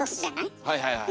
はいはいはいはい。